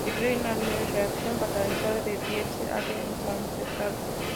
Se cree que la reacción catalizada de Diels-Alder es concertada.